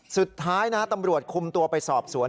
สุดท้ายนะตำรวจคุมตัวไปสอบสวน